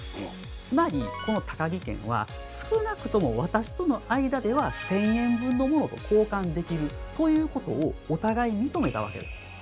つまりこのタカギ券は「少なくとも私との間では１，０００円分のものと交換できる」ということをお互い認めたわけです。